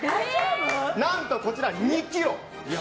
何と、こちら２ｋｇ。